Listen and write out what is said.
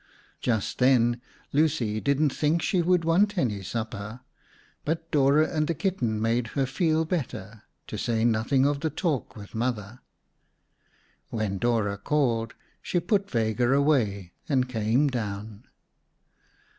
Just then, Lucy didn't think she should want any supper, but Dora and the kitten made her feel better, to say nothing of the talk with Mother. When Dora called, she put Vega away and came down.